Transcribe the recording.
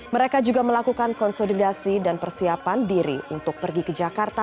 mereka juga melakukan konsolidasi dan persiapan diri untuk pergi ke jakarta